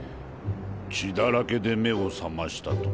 血だらけで目を覚ました時。